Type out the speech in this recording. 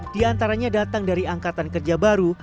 di antaranya datang dari angkatan kerja baru